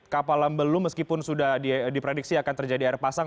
kapal lambelu meskipun sudah diprediksi akan terjadi air pasang